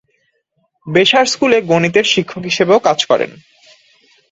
বেসার স্কুলে গণিতের শিক্ষক হিসেবেও কাজ করেন।